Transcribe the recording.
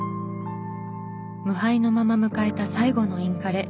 無敗のまま迎えた最後のインカレ。